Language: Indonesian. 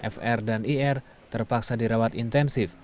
fr dan ir terpaksa dirawat intensif